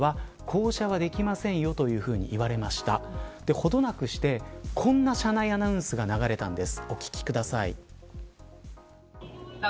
ほどなくしてこんな車内アナウンスが流れたんです。